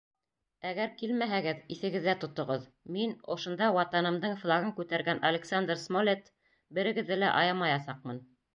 Әгәр килмәһәгеҙ, иҫегеҙҙә тотоғоҙ: мин, ошонда ватанымдың флагын күтәргән Александр Смолетт, берегеҙҙе лә аямаясаҡмын.